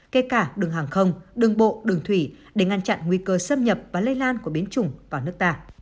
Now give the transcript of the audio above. kể cả đường hàng không đường bộ đường thủy để ngăn chặn nguy cơ xâm nhập và lây lan của biến chủng vào nước ta